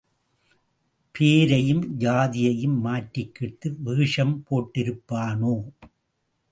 ... பேரையும் ஜாதியையும் மாற்றிக்கிட்டு வேஷம் போட்டிருப்பானோ?